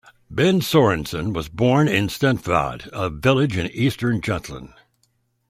Bent Lorentzen was born in Stenvad, a village in eastern Jutland.